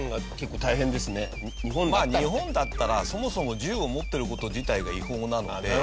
まあ日本だったらそもそも銃を持ってる事自体が違法なので。